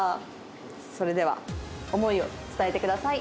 それでは思いを伝えてください。